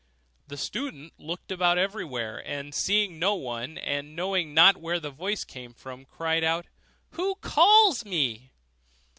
The student looked about everywhere; and seeing no one, and not knowing where the voice came from, cried out, 'Who calls me?